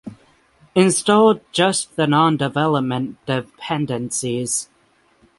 Install just the non-development dependencies